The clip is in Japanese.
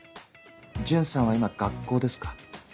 順さんは今学校ですか？